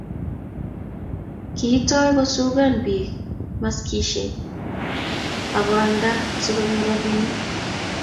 kiitou kusakan biik maskisiek aku alda asikonyoru robinik